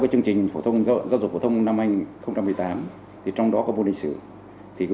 theo chương trình giáo dục phổ thông năm hai nghìn một mươi tám trong đó có môn lịch sử